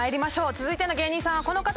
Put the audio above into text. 続いての芸人さんはこの方です。